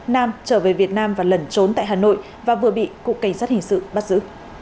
nam trở về việt nam và lẩn trốn tại hà nội và vừa bị cục cảnh sát hình sự bắt giữ